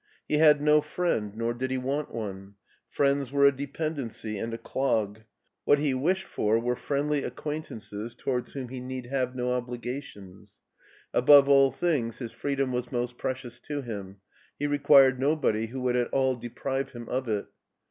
He had no friend, nor did he want one ; friends were a dependency and a clog ; what he wished 172 MARTIN SCHULER for were friendly acquaintances towards whom he need have no obligations. Above all things his free dom was most precious to him; he required nobody who would at all deprive him of it.